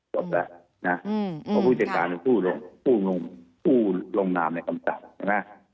เพราะผู้จัดการคือผู้ลงนามในกรรมศาสตร์